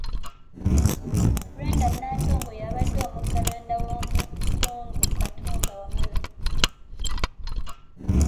Brenda Nantongo y’abadde omuggalanda w'omukungu Katumba Wamala.